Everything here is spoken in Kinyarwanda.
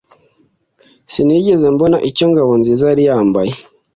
Sinigeze mbona icyo Ngabonziza yari yambaye